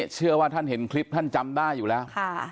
เชื่อว่าท่านเห็นคลิปท่านจำได้อยู่แล้ว